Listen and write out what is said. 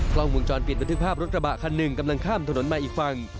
กล้องวงจรปิดบันทึกภาพรถกระบะคันหนึ่งกำลังข้ามถนนมาอีกฝั่ง